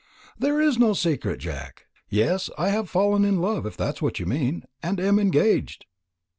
"There is no secret, Jack. Yes, I have fallen in love, if that's what you mean, and am engaged."